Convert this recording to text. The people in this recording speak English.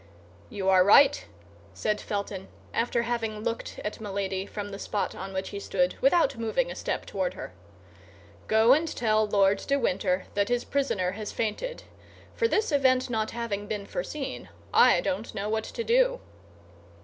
"You are right," said Felton, after having looked at Milady from the spot on which he stood without moving a step toward her. "Go and tell Lord de Winter that his prisoner has fainted—for this event not having been foreseen, I don't know what to do."